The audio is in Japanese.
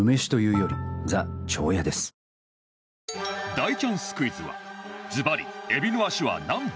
大チャンスクイズはずばり